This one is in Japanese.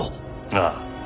ああ。